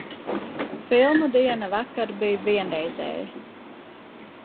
Filmu diena vakar bija vienreizēja.